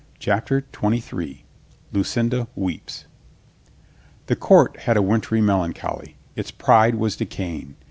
CHAPTER TWENTY THREE LUCINDA WEEPS 'nr^HE court had a wintry melancholy. Its pride ^ was decaying.